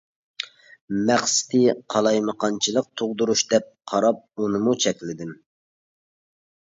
مەقسىتى قالايمىقانچىلىق تۇغدۇرۇش دەپ قاراپ ئۇنىمۇ چەكلىدىم.